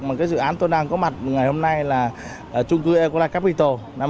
mà cái dự án tôi đang có mặt ngày hôm nay là trung cư ecolacapital